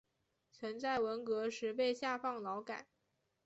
曾在文革时被下放劳改。